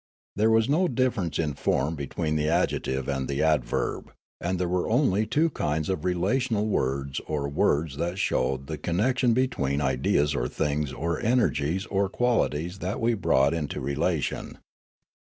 There was no difference in form between the adjective and the adverb, and there were only two kinds of relational words or words that showed the con nection between ideas or things or energies or qualities that we brought into relation.